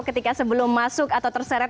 ketika sebelum masuk atau terseret